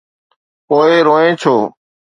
پوءِ روئين ڇو؟